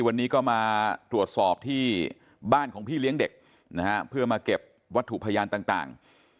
วันนี้ก็มาตรวจสอบที่บ้านของพี่เลี้ยงเด็กนะฮะเพื่อมาเก็บวัตถุพยานต่าง